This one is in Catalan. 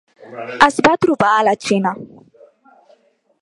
Es va trobar a la Xina.